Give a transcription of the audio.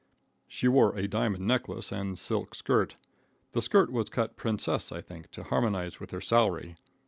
She wore a diamond necklace and silk skirt The skirt was cut princesse, I think, to harmonize with her salary.